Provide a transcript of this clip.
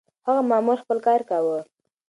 هغه مامور خپل کار کاوه.